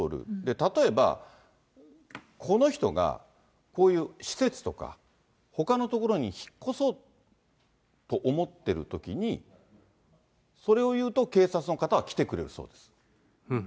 例えばこの人が、こういう施設とか、ほかの所に引っ越そうと思ってるときに、それを言うと、警察の方は来てくれるそうです。